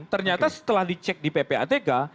ternyata setelah dicek di ppatk